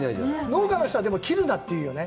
農家の人は、切るなって言うよね。